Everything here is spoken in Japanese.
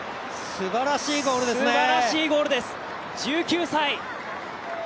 すばらしいゴールです、１９歳。